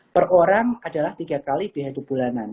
per orang adalah tiga kali biaya hidup bulanan